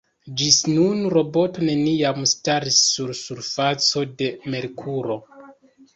Ĝis nun, roboto neniam staris sur surfaco de Merkuro.